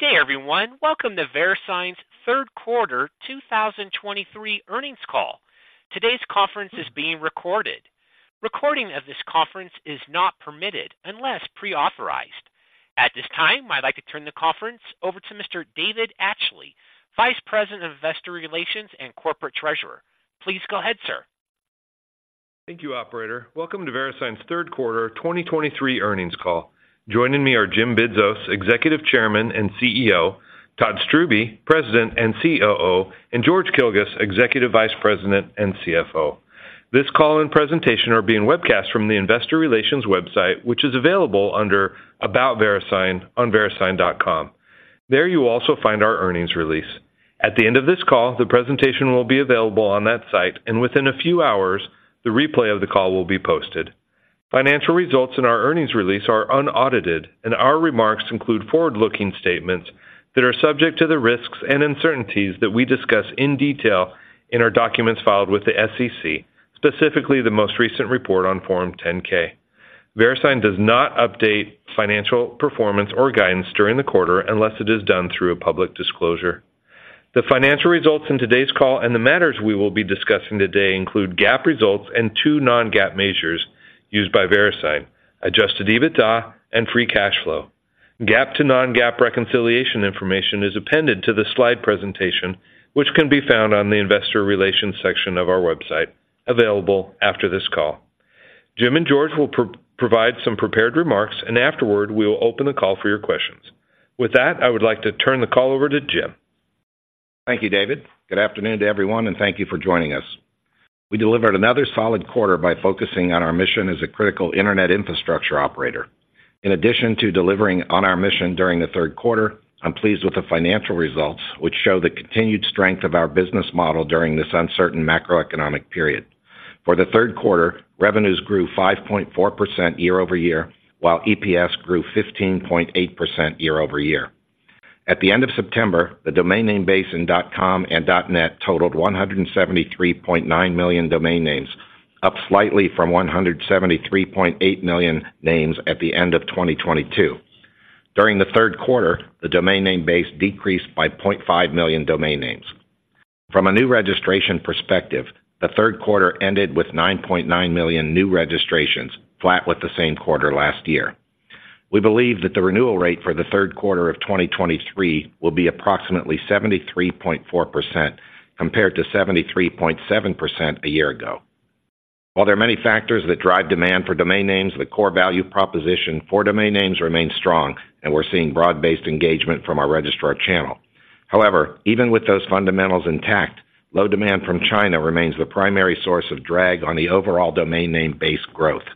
Good day, everyone. Welcome to Verisign's third quarter 2023 earnings call. Today's conference is being recorded. Recording of this conference is not permitted unless pre-authorized. At this time, I'd like to turn the conference over to Mr. David Atchley, Vice President of Investor Relations and Corporate Treasurer. Please go ahead, sir. Thank you, operator. Welcome to Verisign's third quarter 2023 earnings call. Joining me are Jim Bidzos, Executive Chairman and CEO, Todd Strubbe, President and COO, and George Kilguss, Executive Vice President and CFO. This call and presentation are being webcast from the Investor Relations website, which is available under About Verisign on Verisign.com. There you'll also find our earnings release. At the end of this call, the presentation will be available on that site, and within a few hours, the replay of the call will be posted. Financial results in our earnings release are unaudited, and our remarks include forward-looking statements that are subject to the risks and uncertainties that we discuss in detail in our documents filed with the SEC, specifically the most recent report on Form 10-K. Verisign does not update financial performance or guidance during the quarter unless it is done through a public disclosure. The financial results in today's call and the matters we will be discussing today include GAAP results and two non-GAAP measures used by Verisign, Adjusted EBITDA and Free Cash Flow. GAAP to non-GAAP reconciliation information is appended to the slide presentation, which can be found on the investor relations section of our website, available after this call. Jim and George will provide some prepared remarks, and afterward, we will open the call for your questions. With that, I would like to turn the call over to Jim. Thank you, David. Good afternoon to everyone, and thank you for joining us. We delivered another solid quarter by focusing on our mission as a critical Internet infrastructure operator. In addition to delivering on our mission during the third quarter, I'm pleased with the financial results, which show the continued strength of our business model during this uncertain macroeconomic period. For the third quarter, revenues grew 5.4% year over year, while EPS grew 15.8% year over year. At the end of September, the domain name base in .com and .net totaled 173.9 million domain names, up slightly from 173.8 million names at the end of 2022. During the third quarter, the domain name base decreased by 0.5 million domain names. From a new registration perspective, the third quarter ended with 9.9 million new registrations, flat with the same quarter last year. We believe that the renewal rate for the third quarter of 2023 will be approximately 73.4%, compared to 73.7% a year ago. While there are many factors that drive demand for domain names, the core value proposition for domain names remains strong, and we're seeing broad-based engagement from our registrar channel. However, even with those fundamentals intact, low demand from China remains the primary source of drag on the overall domain name base growth.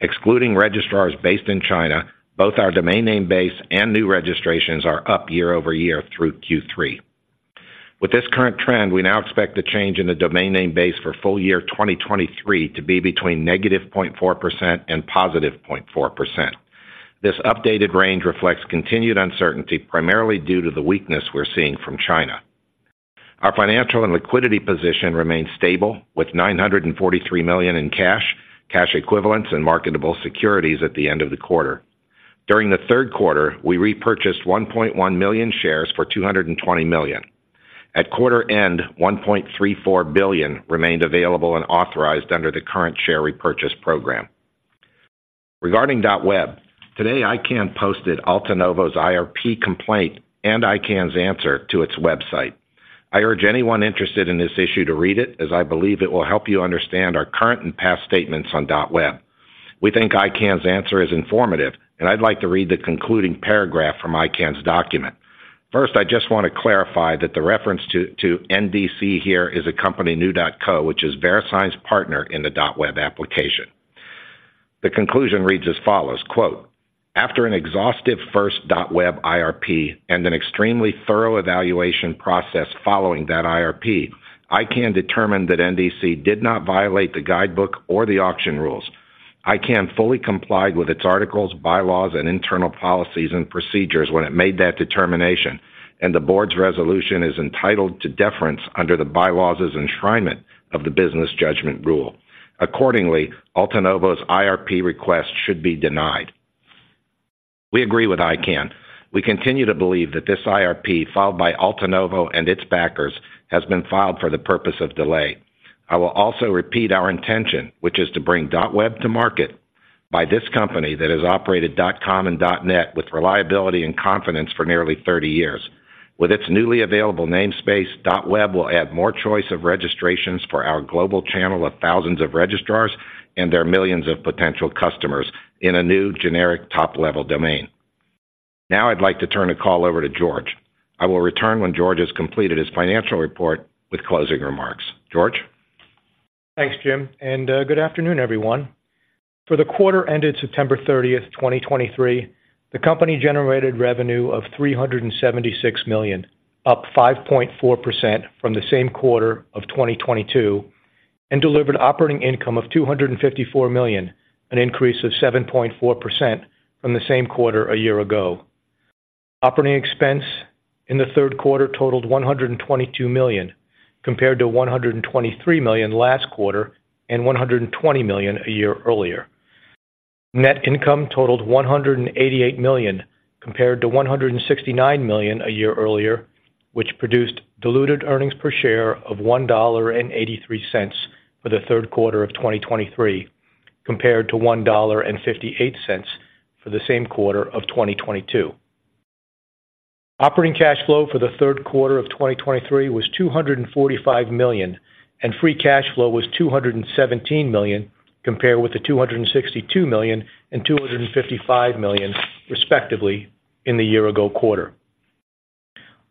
Excluding registrars based in China, both our domain name base and new registrations are up year-over-year through Q3. With this current trend, we now expect the change in the domain name base for full year 2023 to be between -0.4% and +0.4%. This updated range reflects continued uncertainty, primarily due to the weakness we're seeing from China. Our financial and liquidity position remains stable, with $943 million in cash, cash equivalents, and marketable securities at the end of the quarter. During the third quarter, we repurchased 1.1 million shares for $220 million. At quarter end, $1.34 billion remained available and authorized under the current share repurchase program. Regarding .web, today, ICANN posted Altanovo's IRP complaint and ICANN's answer to its website. I urge anyone interested in this issue to read it, as I believe it will help you understand our current and past statements on .web. We think ICANN's answer is informative, and I'd like to read the concluding paragraph from ICANN's document. First, I just want to clarify that the reference to, to NDC here is a company, Nu Dot Co which is Verisign's partner in the .web application. The conclusion reads as follows, quote, "After an exhaustive first .web IRP and an extremely thorough evaluation process following that IRP, ICANN determined that NDC did not violate the guidebook or the auction rules. ICANN fully complied with its articles, bylaws, and internal policies and procedures when it made that determination, and the board's resolution is entitled to deference under the bylaws' enshrinement of the business judgment rule. Accordingly, Altanovo's IRP request should be denied." We agree with ICANN. We continue to believe that this IRP, filed by Altanovo and its backers, has been filed for the purpose of delay. I will also repeat our intention, which is to bring .web to market by this company that has operated .com and .net with reliability and confidence for nearly 30 years. With its newly available namespace, .web will add more choice of registrations for our global channel of thousands of registrars and their millions of potential customers in a new generic top-level domain. Now I'd like to turn the call over to George. I will return when George has completed his financial report with closing remarks. George? Thanks, Jim, and good afternoon, everyone. For the quarter ended September 30, 2023, the company generated revenue of $376 million, up 5.4% from the same quarter of 2022, and delivered operating income of $254 million, an increase of 7.4% from the same quarter a year ago. Operating expense-... in the third quarter totaled $122 million, compared to $123 million last quarter, and $120 million a year earlier. Net income totaled $188 million, compared to $169 million a year earlier, which produced diluted earnings per share of $1.83 for the third quarter of 2023, compared to $1.58 for the same quarter of 2022. Operating cash flow for the third quarter of 2023 was $245 million, and free cash flow was $217 million, compared with the $262 million and $255 million, respectively, in the year-ago quarter.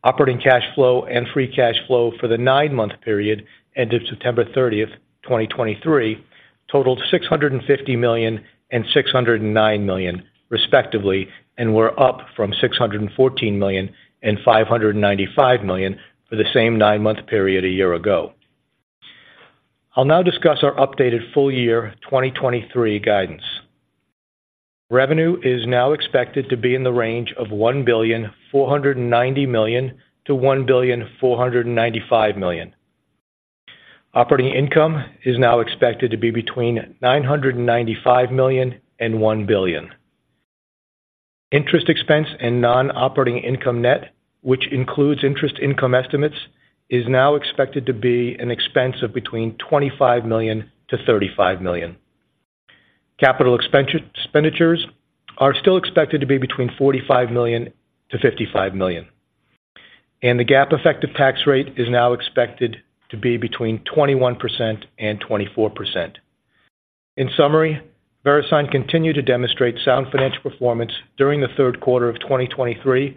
Operating cash flow and free cash flow for the nine-month period ended September 30, 2023, totaled $650 million and $609 million, respectively, and were up from $614 million and $595 million for the same nine-month period a year ago. I'll now discuss our updated full-year 2023 guidance. Revenue is now expected to be in the range of $1.49 billion-$1.495 billion. Operating income is now expected to be between $995 million and $1 billion. Interest expense and non-operating income net, which includes interest income estimates, is now expected to be an expense of between $25 million-$35 million. Capital expenditures are still expected to be between $45 million-$55 million, and the GAAP effective tax rate is now expected to be between 21% and 24%. In summary, Verisign continued to demonstrate sound financial performance during the third quarter of 2023,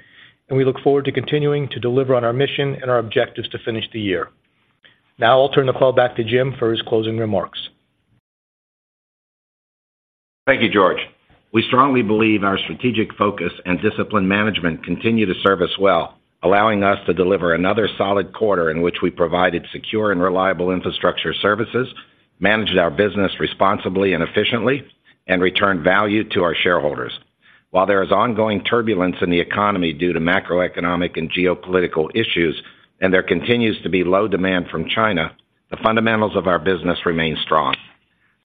and we look forward to continuing to deliver on our mission and our objectives to finish the year. Now I'll turn the call back to Jim for his closing remarks. Thank you, George. We strongly believe our strategic focus and disciplined management continue to serve us well, allowing us to deliver another solid quarter in which we provided secure and reliable infrastructure services, managed our business responsibly and efficiently, and returned value to our shareholders. While there is ongoing turbulence in the economy due to macroeconomic and geopolitical issues, and there continues to be low demand from China, the fundamentals of our business remain strong.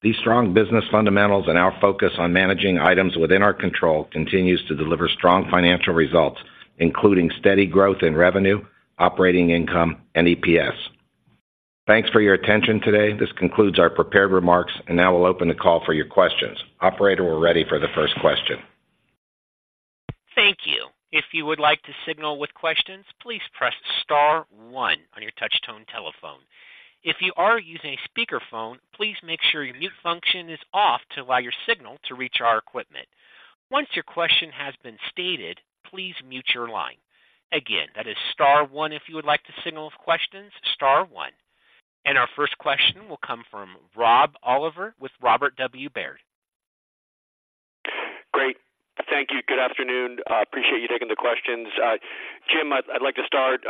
These strong business fundamentals and our focus on managing items within our control continues to deliver strong financial results, including steady growth in revenue, operating income, and EPS. Thanks for your attention today. This concludes our prepared remarks, and now we'll open the call for your questions. Operator, we're ready for the first question. Thank you. If you would like to signal with questions, please press star one on your touch tone telephone. If you are using a speakerphone, please make sure your mute function is off to allow your signal to reach our equipment. Once your question has been stated, please mute your line. Again, that is star one if you would like to signal with questions, star one. Our first question will come from Rob Oliver with Robert W. Baird. Great. Thank you. Good afternoon. Appreciate you taking the questions. Jim, I'd like to start.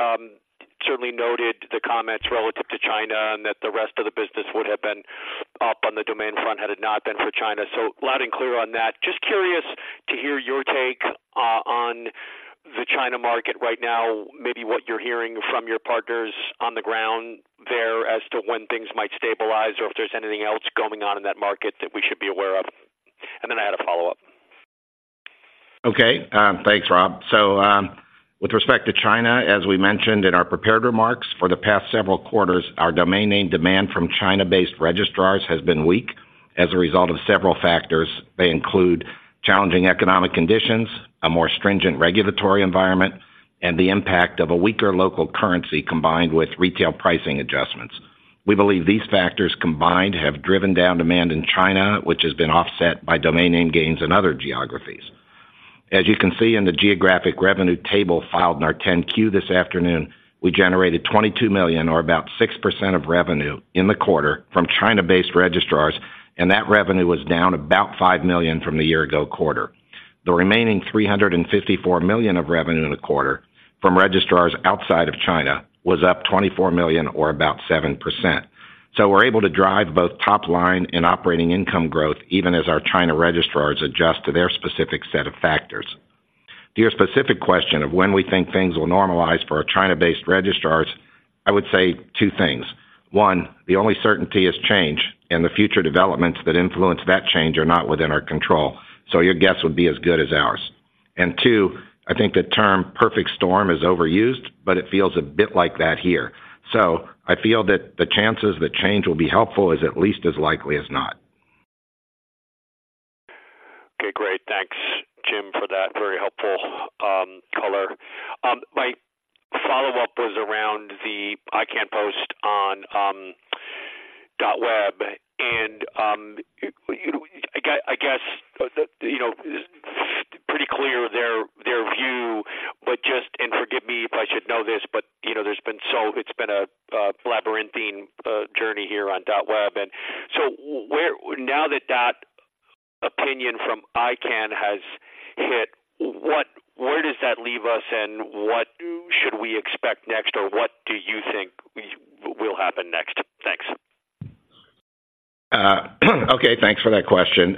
Certainly noted the comments relative to China and that the rest of the business would have been up on the domain front had it not been for China. So loud and clear on that. Just curious to hear your take on the China market right now, maybe what you're hearing from your partners on the ground there as to when things might stabilize or if there's anything else going on in that market that we should be aware of. And then I had a follow-up. Okay, thanks, Rob. So, with respect to China, as we mentioned in our prepared remarks, for the past several quarters, our domain name demand from China-based registrars has been weak as a result of several factors. They include challenging economic conditions, a more stringent regulatory environment, and the impact of a weaker local currency, combined with retail pricing adjustments. We believe these factors combined have driven down demand in China, which has been offset by domain name gains in other geographies. As you can see in the geographic revenue table filed in our 10-Q this afternoon, we generated $22 million, or about 6% of revenue, in the quarter from China-based registrars, and that revenue was down about $5 million from the year ago quarter. The remaining $354 million of revenue in the quarter from registrars outside of China was up $24 million or about 7%. So we're able to drive both top line and operating income growth, even as our China registrars adjust to their specific set of factors. To your specific question of when we think things will normalize for our China-based registrars, I would say two things: One, the only certainty is change, and the future developments that influence that change are not within our control, so your guess would be as good as ours. And two, I think the term perfect storm is overused, but it feels a bit like that here. So I feel that the chances that change will be helpful is at least as likely as not. Okay, great. Thanks, Jim, for that very helpful color. My follow-up was around the ICANN post on .web. And I guess, you know, pretty clear their view, but just and forgive me if I should know this, but you know, there's been so—it's been a labyrinthine journey here on .web. And so where... Now that that opinion from ICANN has hit, what—where does that leave us, and what should we expect next? Or what do you think we will happen next? Okay, thanks for that question.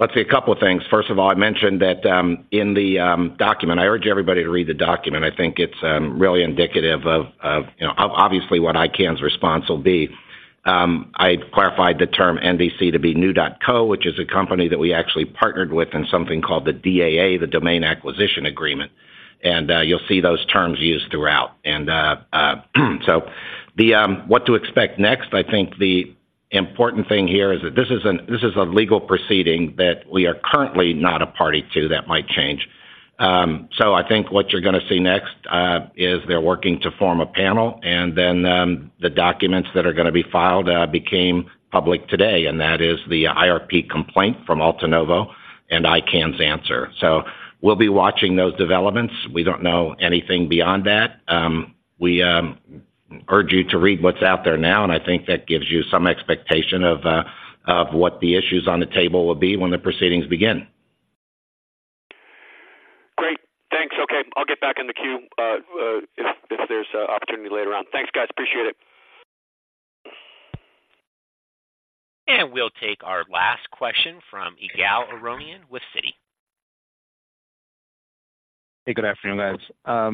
Let's see, a couple of things. First of all, I mentioned that in the document, I urge everybody to read the document. I think it's really indicative of, you know, obviously, what ICANN's response will be. I clarified the term NDC to be Nu Dot Co, which is a company that we actually partnered with in something called the DAA, the Domain Acquisition Agreement, and you'll see those terms used throughout. What to expect next? I think the important thing here is that this is a legal proceeding that we are currently not a party to. That might change. So I think what you're gonna see next is they're working to form a panel, and then the documents that are gonna be filed became public today, and that is the IRP complaint from Altanovo and ICANN's answer. So we'll be watching those developments. We don't know anything beyond that. We urge you to read what's out there now, and I think that gives you some expectation of what the issues on the table will be when the proceedings begin. Great. Thanks. Okay, I'll get back in the queue if there's an opportunity later on. Thanks, guys. Appreciate it. We'll take our last question from Yigal Arounian with Citi. Hey, good afternoon, guys. I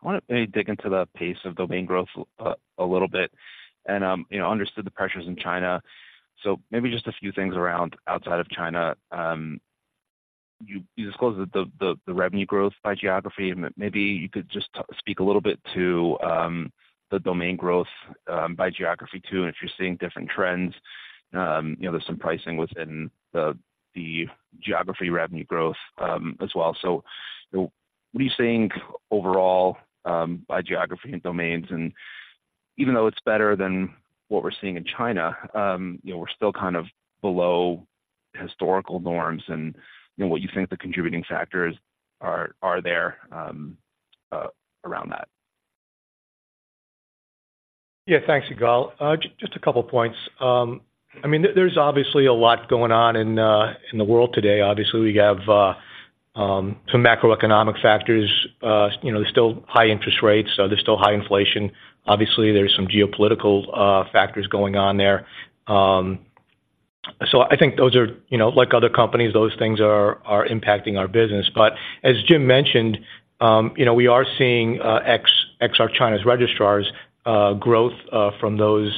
wanna maybe dig into the pace of domain growth a little bit and, you know, understood the pressures in China. Maybe just a few things around outside of China. You disclosed the revenue growth by geography. Maybe you could just speak a little bit to the domain growth by geography, too, and if you're seeing different trends. You know, there's some pricing within the geography revenue growth as well. What are you seeing overall by geography and domains? Even though it's better than what we're seeing in China, you know, we're still kind of below historical norms and, you know, what you think the contributing factors are there around that? Yeah. Thanks, Yigal. Just a couple of points. I mean, there's obviously a lot going on in the world today. Obviously, we have some macroeconomic factors. You know, there's still high interest rates, there's still high inflation. Obviously, there's some geopolitical factors going on there. I think those are, you know, like other companies, those things are impacting our business. As Jim mentioned, you know, we are seeing, ex-ex our China's registrars, growth from those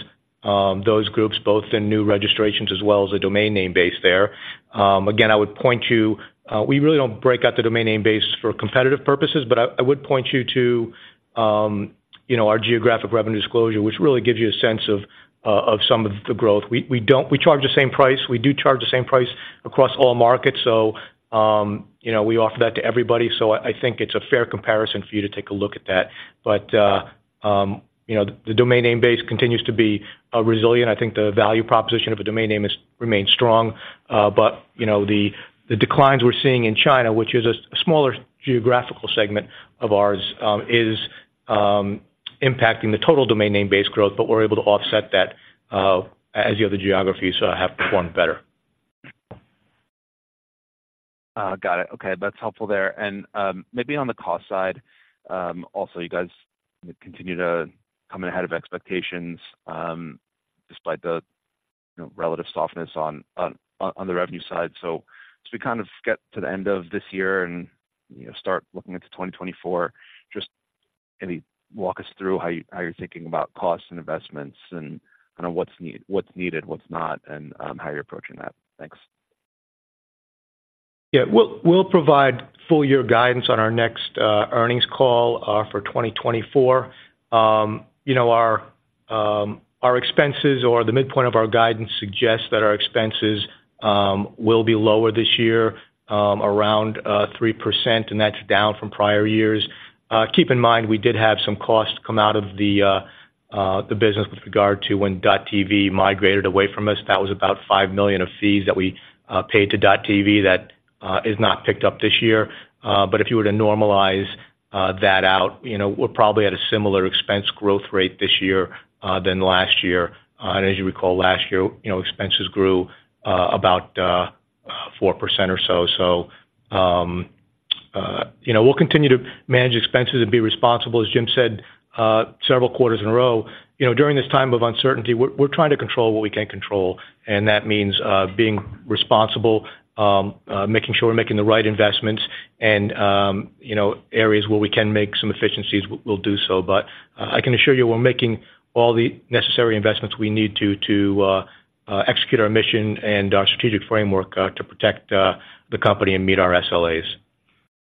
groups, both in new registrations as well as the domain name base there. Again, I would point you to. We really don't break out the domain name base for competitive purposes, but I would point you to, you know, our geographic revenue disclosure, which really gives you a sense of some of the growth. We don't... We charge the same price. We do charge the same price across all markets, so, you know, we offer that to everybody. So I think it's a fair comparison for you to take a look at that. But, you know, the domain name base continues to be resilient. I think the value proposition of a domain name remains strong. But, you know, the declines we're seeing in China, which is a smaller geographical segment of ours, is impacting the total domain name base growth, but we're able to offset that, as the other geographies have performed better. Got it. Okay, that's helpful there. And maybe on the cost side, also, you guys continue to come in ahead of expectations, despite the, you know, relative softness on the revenue side. So as we kind of get to the end of this year and, you know, start looking into 2024, just maybe walk us through how you, how you're thinking about costs and investments and kind of what's needed, what's not, and how you're approaching that. Thanks. Yeah. We'll provide full year guidance on our next earnings call for 2024. You know, our expenses or the midpoint of our guidance suggests that our expenses will be lower this year, around 3%, and that's down from prior years. Keep in mind, we did have some costs come out of the business with regard to when .tv migrated away from us. That was about $5 millions of fees that we paid to .tv that is not picked up this year. But if you were to normalize that out, you know, we're probably at a similar expense growth rate this year than last year. And as you recall, last year, you know, expenses grew about 4% or so. We'll continue to manage expenses and be responsible, as Jim said, several quarters in a row. You know, during this time of uncertainty, we're trying to control what we can control, and that means being responsible, making sure we're making the right investments and, you know, areas where we can make some efficiencies, we'll do so. I can assure you we're making all the necessary investments we need to execute our mission and our strategic framework to protect the company and meet our SLAs.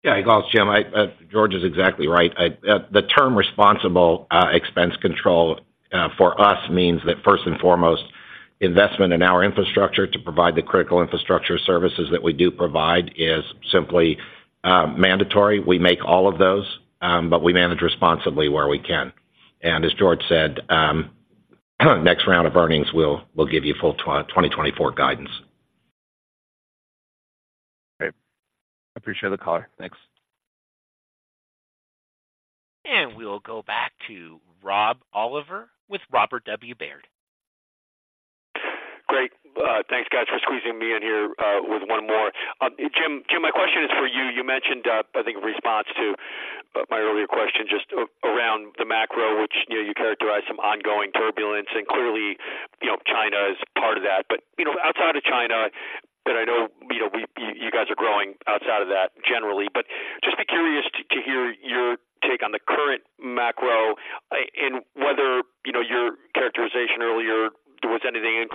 Yeah, Yigal, Jim, I, George is exactly right. I, the term responsible expense control for us means that first and foremost, investment in our infrastructure to provide the critical infrastructure services that we do provide is simply mandatory. We make all of those, but we manage responsibly where we can. As George said, next round of earnings, we'll give you full 2024 guidance. Great. I appreciate the call. Thanks. We'll go back to Rob Oliver with Robert W. Baird. Great. Thanks, guys, for squeezing me in here with one more. Jim, my question is for you. You mentioned, I think in response to my earlier question just around the macro, which, you know, you characterize some ongoing turbulence, and clearly, you know, China is part of that. But, you know, outside of China, that I know, you know, we, you, you guys are growing outside of that generally. But just curious to hear your take on the current macro and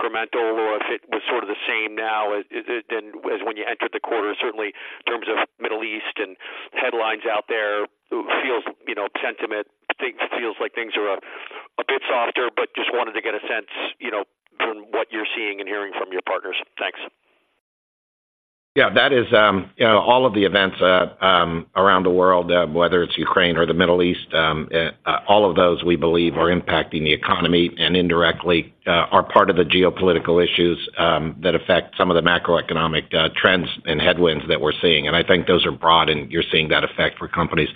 whether, you know, your characterization earlier, there was anything incremental or if it was sort of the same now as when you entered the quarter, certainly in terms of Middle East and headlines out there. Feels, you know, sentiment, things feel like things are a bit softer, but just wanted to get a sense, you know, from what you're seeing and hearing from your partners. Thanks. Yeah, that is, you know, all of the events around the world, whether it's Ukraine or the Middle East, all of those we believe are impacting the economy and indirectly, are part of the geopolitical issues, that affect some of the macroeconomic, trends and headwinds that we're seeing. I think those are broad, and you're seeing that effect for companies,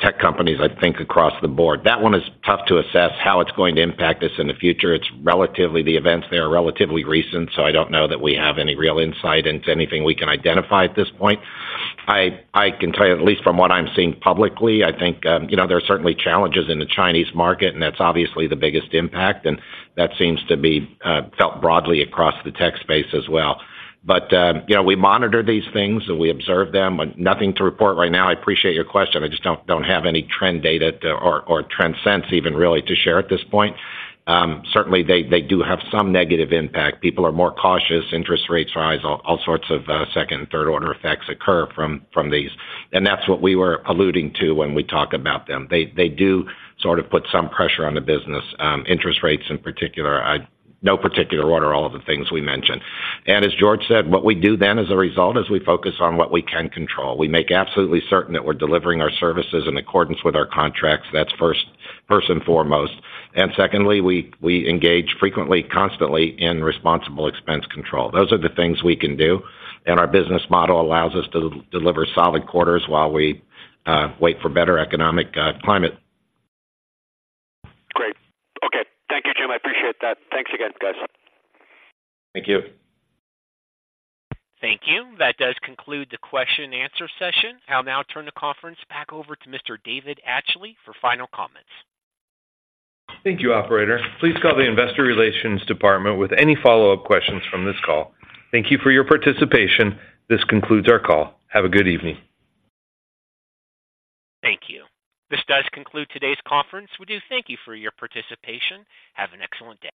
tech companies, I think, across the board. That one is tough to assess how it's going to impact us in the future. It's relatively the events there, relatively recent, so I don't know that we have any real insight into anything we can identify at this point. I can tell you, at least from what I'm seeing publicly, I think, you know, there are certainly challenges in the Chinese market, and that's obviously the biggest impact, and that seems to be felt broadly across the tech space as well. You know, we monitor these things, and we observe them, but nothing to report right now. I appreciate your question. I just don't have any trend data or trend sense even really to share at this point. Certainly, they do have some negative impact. People are more cautious, interest rates rise, all sorts of second and third order effects occur from these, and that's what we were alluding to when we talk about them. They do sort of put some pressure on the business, interest rates in particular. No particular order, all of the things we mentioned. As George said, what we do then, as a result, is we focus on what we can control. We make absolutely certain that we're delivering our services in accordance with our contracts. That's first, first and foremost. Secondly, we engage frequently, constantly in responsible expense control. Those are the things we can do, and our business model allows us to deliver solid quarters while we wait for better economic climate. Great. Okay. Thank you, Jim. I appreciate that. Thanks again, guys. Thank you. Thank you. That does conclude the question-and-answer session. I'll now turn the conference back over to Mr. David Atchley for final comments. Thank you, operator. Please call the investor relations department with any follow-up questions from this call. Thank you for your participation. This concludes our call. Have a good evening. Thank you. This does conclude today's conference. We do thank you for your participation. Have an excellent day.